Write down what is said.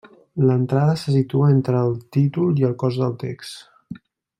L'entrada se situa entre el títol i el cos del text.